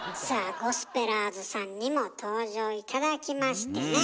ゴスペラーズさんにも登場頂きましてねえ。